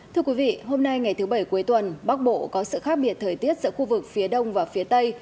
thưa quý vị hôm nay ngày thứ bảy cuối tuần bắc bộ có sự khác biệt thời tiết giữa khu vực phía đông và phía tây